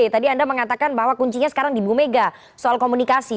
tadi anda mengatakan bahwa kuncinya sekarang di bumega soal komunikasi